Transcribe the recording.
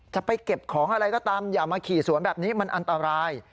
จะไปเก็บของอะไรก็ตามอย่ามาขี่สวนแบบนี้มันอันตราย